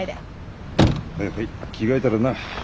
はいはい着替えたらな。